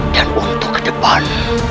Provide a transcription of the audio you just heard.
dan untuk ke depan